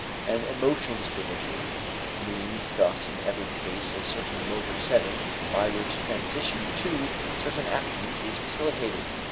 An emotional disposition means thus in every case a certain motor setting by which transition to certain actions is facilitated.